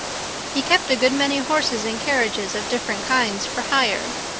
He kept a good many horses and carriages of different kinds for hire.